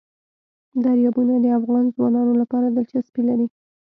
دریابونه د افغان ځوانانو لپاره دلچسپي لري.